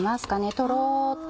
とろっと。